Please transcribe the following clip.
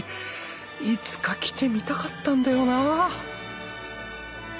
いつか来てみたかったんだよなあ